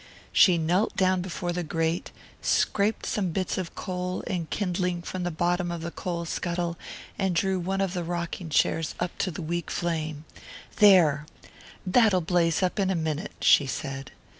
She knelt down before the grate, scraped some bits of coal and kindling from the bottom of the coal scuttle, and drew one of the rocking chairs up to the weak flame. "There that'll blaze up in a minute," she said.